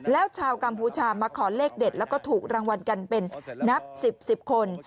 แล้วชาวกัมพูชามาขอเลขเด็ดแล้วก็ถูกรางวัลกันเป็นนับ๑๐๑๐คน